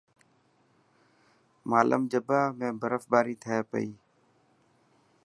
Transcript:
مالم جبا ۾ برف باري ٿي پئي.